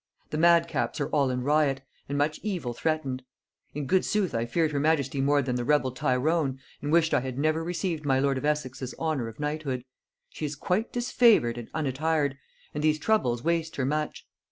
The madcaps are all in riot, and much evil threatened. In good sooth I feared her majesty more than the rebel Tyrone, and wished I had never received my lord of Essex's honor of knighthood. She is quite disfavored and unattired, and these troubles waste her much.